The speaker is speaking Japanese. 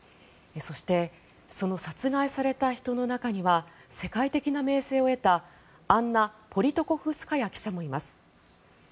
そしてその殺害された人の中には世界的な名声を得たアンナ・ポリトコフスカヤ記者もいます。